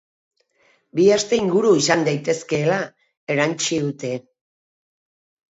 Bi aste inguru izan daitezkeela erantsi dute.